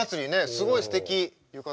すごいすてき浴衣。